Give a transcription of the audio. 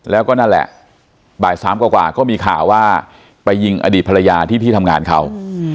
แล้วก็นั่นแหละบ่ายสามกว่าก็มีข่าวว่าไปยิงอดีตภรรยาที่ที่ทำงานเขา